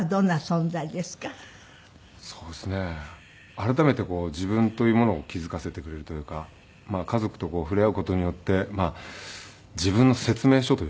改めて自分というものを気付かせてくれるというか家族と触れ合う事によって自分の説明書というか。